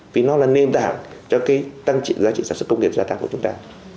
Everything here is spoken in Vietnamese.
vì nó là nền tảng cho cái tăng trị giá trị sản xuất công nghiệp gia tăng của chúng ta